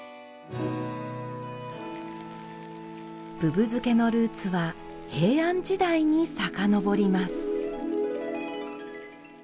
ぶぶ漬けのルーツは平安時代にさかのぼります。